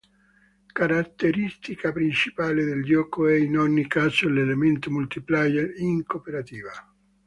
Caratteristica principale del gioco è in ogni caso l'elemento multiplayer in cooperativa.